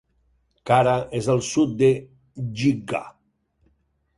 Cara és al sud de Gigha.